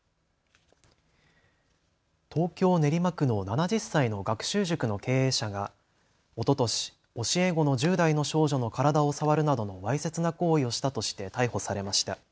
東京練馬区の７０歳の学習塾の経営者がおととし教え子の１０代の少女の体を触るなどのわいせつな行為をしたとして逮捕されました。